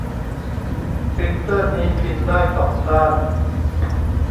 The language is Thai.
ปรินเตอร์นี้พิมพ์ได้สองด้าน